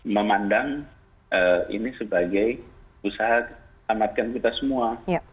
memandang ini sebagai usaha tamatkan kita semua